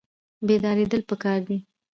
بیداریدل پکار دي